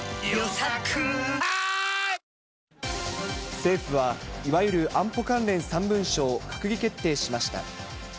政府はいわゆる安保関連３文書を閣議決定しました。